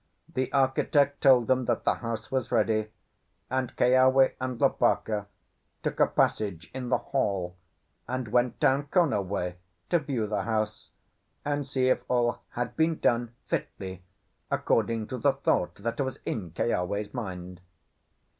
The architect told them that the house was ready, and Keawe and Lopaka took a passage in the Hall, and went down Kona way to view the house, and see if all had been done fitly according to the thought that was in Keawe's mind.